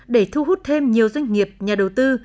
để thu hút thêm nhiều doanh nghiệp nhà đầu tư